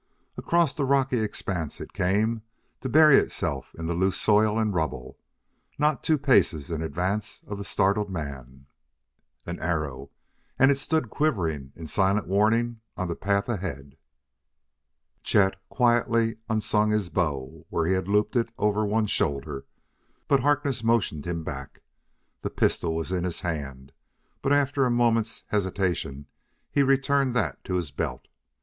Across the rocky expanse it came, to bury itself in the loose soil and rubble, not two paces in advance of the startled man. An arrow! and it stood quivering in silent warning on the path ahead. Chet quietly unslung his bow where he had looped it over one shoulder, but Harkness motioned him back. The pistol was in his hand, but after a moment's hesitation he returned that to his belt.